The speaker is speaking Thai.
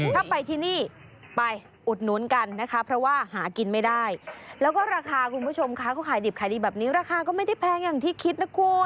ถ้าไปที่นี่ไปอุดหนุนกันนะคะเพราะว่าหากินไม่ได้แล้วก็ราคาคุณผู้ชมคะเขาขายดิบขายดีแบบนี้ราคาก็ไม่ได้แพงอย่างที่คิดนะคุณ